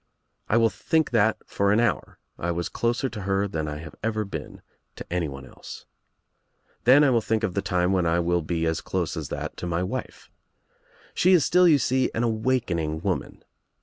I will think that for an hour I was closer to her than I have ever been to anyone else. Then I will think of the time when I will be as close as that to my wife. She is still, you see, an awakening ■ woman.